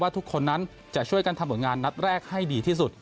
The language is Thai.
ทุกคนนั้นจะช่วยกันทำผลงานนัดแรกให้ดีที่สุด